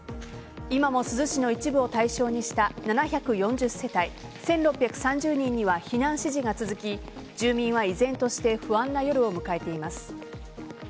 今も珠洲市の一部を対象にした７４０世帯１６３０人には避難指示が続き住民は依然として不安な夜を迎えています。